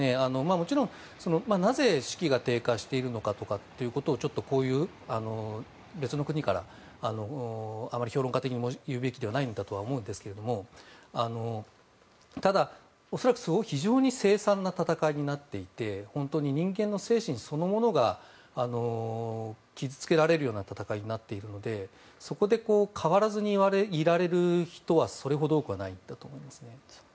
もちろん、なぜ士気が低下しているのかということをちょっとこういう別の国からあまり評論家的に言うべきではないと思うんですがただ、恐らく非常にせい惨な戦いになっていて本当に人間の精神そのものが傷付けられるような戦いになっているのでそこで変わらずにいられる人はそれほど多くはないんだと思います。